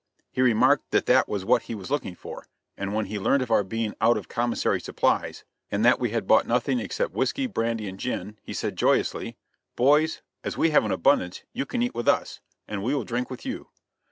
He remarked that that was what he was looking for, and when he learned of our being out of commissary supplies, and that we had bought nothing except whiskey, brandy and gin, he said, joyously: "Boys, as we have an abundance, you can eat with us, and we will drink with you."